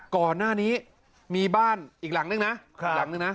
ก่อนหน้านี้มีบ้านอีกหลังนึงนะ